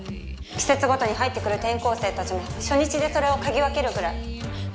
季節ごとに入ってくる転校生たちも初日でそれを嗅ぎ分けるくらい。